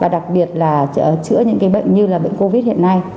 đặc biệt là chữa những cái bệnh như là bệnh covid hiện nay